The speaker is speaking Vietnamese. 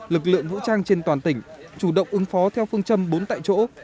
lực lượng vũ trang trên toàn tỉnh chủ động ứng phó theo phương châm bốn tại chỗ